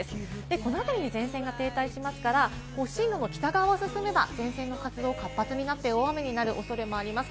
この辺りに前線が停滞しましたら、進路の北側を進めば、前線の活動が活発になって大雨になる恐れがあります。